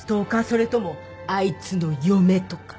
それともあいつの嫁とか？